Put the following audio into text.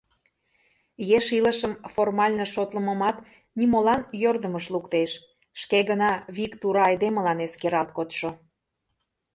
Еш илышым формально шотлымымат нимолан йӧрдымыш луктеш, шке гына вик тура айдемылан эскералт кодшо.